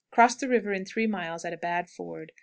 Cross the river in three miles at a bad ford.